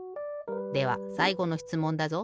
ではさいごのしつもんだぞ。